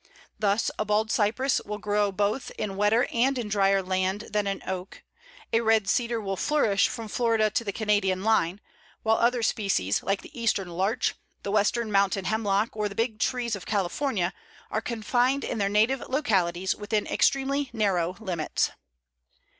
Thus a bald cypress will grow both in wetter and in dryer land than an oak; a red cedar will flourish from Florida to the Canadian line, while other species, like the Eastern larch, the Western mountain hemlock, or the big trees of California, are confined in their native localities within extremely narrow limits.